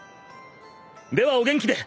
ではお元気で。